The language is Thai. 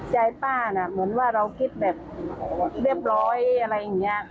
ใจป้าน่ะเหมือนว่าเราคิดแบบเรียบร้อยอะไรอย่างนี้